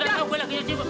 udah kau gue lagi nyuci